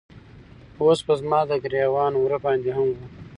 اوس به زما د ګریوان وره باندې هم